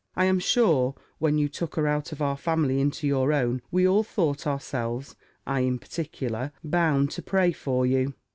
I am sure, when you took her out of our family into your own, we all thought ourselves, I in particular, bound to pray for you."